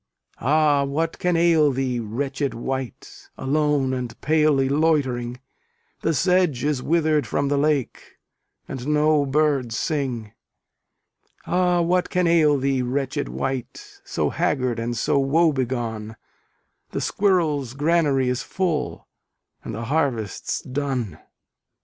Ah, what can ail thee, wretched wight, Alone and palely loitering? The sedge is wither'd from the lake, And no birds sing. Ah what can ail thee, wretched wight, So haggard and so woe begone? The squirrel's granary is full, And the harvest's done.